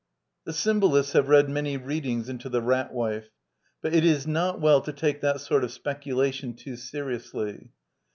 *—— '"The Symbolists have read many readings into the Rat Wife^ but it is not well to take that sort of speculation too seriously.